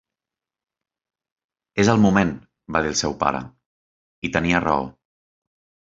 "És el moment", va dir el seu pare, i tenia raó.